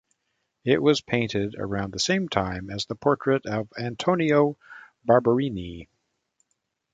It was painted around the same time as the portrait of Antonio Barberini.